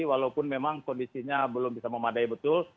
walaupun memang kondisinya belum bisa memadai betul